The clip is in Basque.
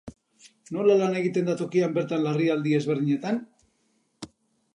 Nola lan egiten da tokian bertan larrialdi ezberdinetan?